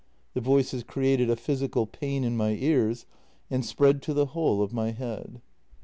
The voices created a physical pain in my ears and spread to the whole of my head.